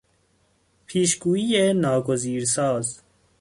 پیشگویی ناگزیرساز